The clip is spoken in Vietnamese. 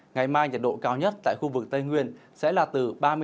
ngày mai nhiệt độ cao nhất tại khu vực tây nguyên sẽ là từ ba mươi năm